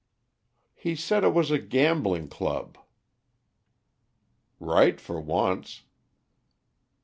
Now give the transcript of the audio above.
"He said it was a gambling club." "Right for once."